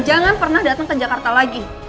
jangan pernah datang ke jakarta lagi